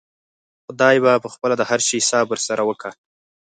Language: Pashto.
خداى به پخپله د هر شي حساب ورسره وکا.